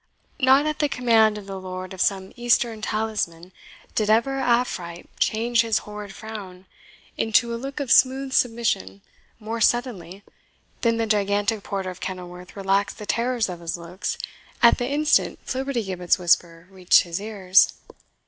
Not at the command of the lord of some Eastern talisman did ever Afrite change his horrid frown into a look of smooth submission more suddenly than the gigantic porter of Kenilworth relaxed the terrors of his looks at the instant Flibbertigibbet's whisper reached his ears.